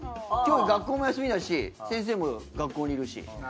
今日学校も休みだし先生も学校にいるし。